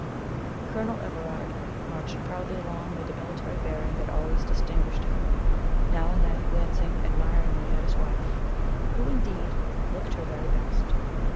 Colonel Everard marched proudly along with the military bearing that always distinguished him, now and then glancing admiringly at his wife, who, indeed, looked her very best.